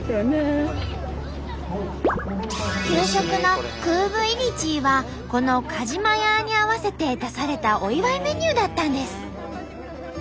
給食のクーブイリチーはこのカジマヤーに合わせて出されたお祝いメニューだったんです。